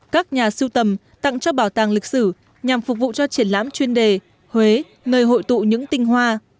các nhà sưu tầm tặng cho bảo tàng lịch sử nhằm phục vụ cho triển lãm chuyên đề huế nơi hội tụ những tinh hoa